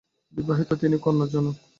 বিবাহিত, তিনি কন্যার জনক।